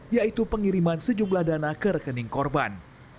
yaitu pengiriman sejumlah dana ke rekening korban